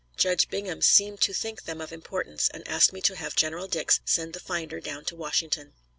Judge Bingham seemed to think them of importance, and asked me to have General Dix send the finder down to Washington.